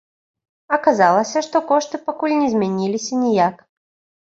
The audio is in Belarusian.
Аказалася, што кошты пакуль не змяніліся ніяк.